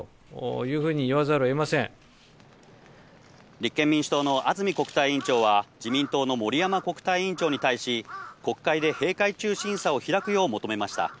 立憲民主党の安住国対委員長は、自民党の森山国対委員長に対し国会で閉会中審査を開くよう求めました。